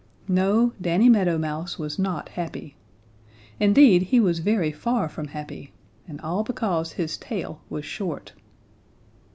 No, Danny Meadow Mouse was not happy. Indeed, he was very far from happy, and all because his tail was short.